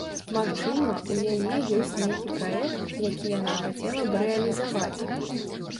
Магчыма, у яе ёсць нейкі праект, які яна хацела б рэалізаваць.